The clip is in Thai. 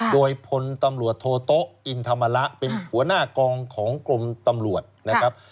โดยพลตำรวจโทโต๊ะอินธรรมระเป็นหัวหน้ากองของกรมตำรวจนะครับ